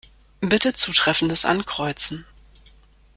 Bitte zutreffendes Ankreuzen.